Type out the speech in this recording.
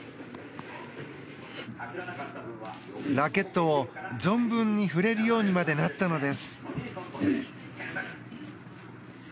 ラケットを存分に振れるようにまでなったのです。